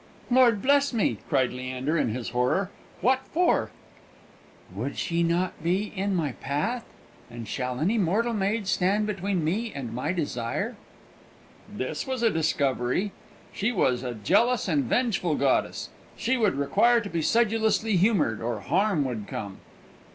"Lord bless me!" cried Leander, in his horror. "What for?" "Would not she be in my path? and shall any mortal maid stand between me and my desire?" This was a discovery. She was a jealous and vengeful goddess; she would require to be sedulously humoured, or harm would come.